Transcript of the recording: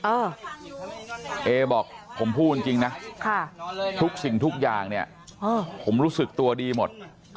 เออเอบอกผมพูดจริงนะทุกสิ่งทุกอย่างเนี่ยผมรู้สึกตัวดีหมด